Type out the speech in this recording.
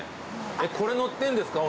えっこれ乗ってんですか？